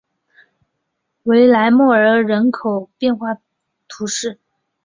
维莱莫尔人口变化图示